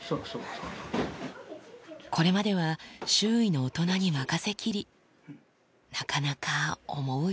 これまでは、周囲の大人に任せきり。